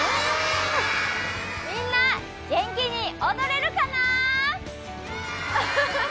みんな、元気に踊れるかな？